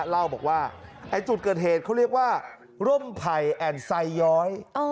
เล่าบอกว่าไอ้จุดเกิดเหตุเขาเรียกว่าร่มไผ่แอ่นไซย้อย